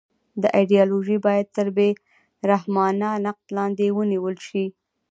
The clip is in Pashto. دا ایدیالوژي باید تر بې رحمانه نقد لاندې ونیول شي